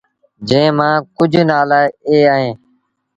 جݩهݩ مآݩ ڪجھ نآلآ اي اهيݩ